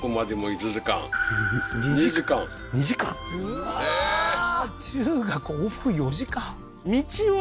うわー中学往復４時間？